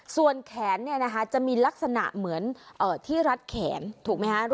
ส่วนแขนเนี่ยนะคะจะมีลักษณะเหมือนที่รัดแขนถูกมั้ยฮะ